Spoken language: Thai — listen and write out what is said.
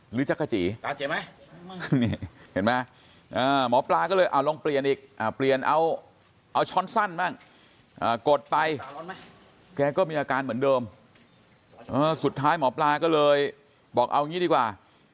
จักรจีไหมนี่เห็นไหมหมอปลาก็เลยเอาลองเปลี่ยนอีกเปลี่ยนเอาช้อนสั้นบ้างกดไปแกก็มีอาการเหมือนเดิมสุดท้ายหมอปลาก็เลยบอกเอางี้ดีกว่า